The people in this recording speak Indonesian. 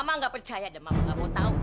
mama gak percaya dan mama gak mau tahu